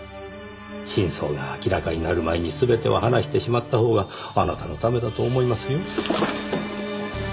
真相が明らかになる前に全てを話してしまったほうがあなたのためだと思いますよ。